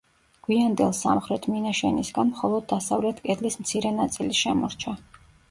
გვიანდელ სამხრეთ მინაშენისგან მხოლოდ დასავლეთ კედლის მცირე ნაწილი შემორჩა.